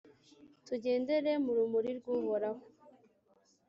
tugendere mu rumuri rw’Uhoraho.